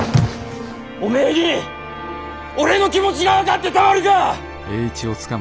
おめぇに俺の気持ちが分かってたまるか！